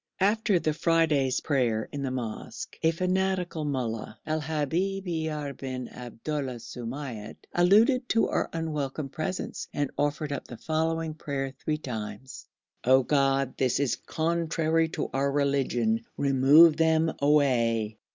After the Friday's prayer in the mosque, a fanatical mollah, Al Habib Yaher bin Abdullah Soumait, alluded to our unwelcome presence, and offered up the following prayer three times: 'O God! this is contrary to our religion; remove them away!'